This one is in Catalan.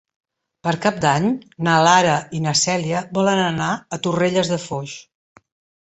Per Cap d'Any na Lara i na Cèlia volen anar a Torrelles de Foix.